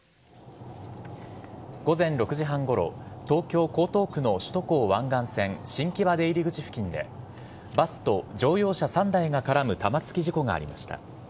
午前６時半ごろ東京・江東区の首都高湾岸線新木場出入り口付近でバスと乗用車３台が絡む玉突き事故がありました。